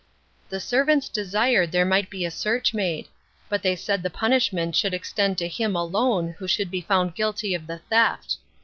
The servants desired there might be a search made; but they said the punishment should extend to him alone who should be found guilty of the theft.